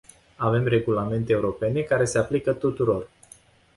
Avem regulamente europene care se aplică tuturor.